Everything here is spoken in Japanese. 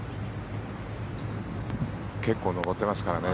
結構上ってますからね